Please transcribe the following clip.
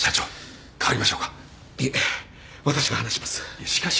いやしかし。